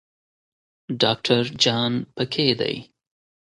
ډاکټر جان پکې دی.